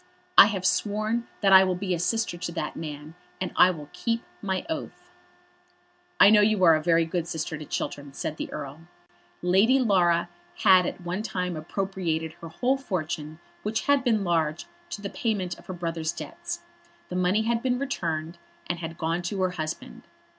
"I have sworn that I will be a sister to that man, and I will keep my oath." "I know you are a very good sister to Chiltern," said the Earl. Lady Laura had at one time appropriated her whole fortune, which had been large, to the payment of her brother's debts. The money had been returned, and had gone to her husband.